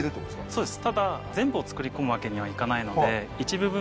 そうです。